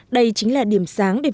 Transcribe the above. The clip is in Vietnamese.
đây chính là điểm sáng để việt nam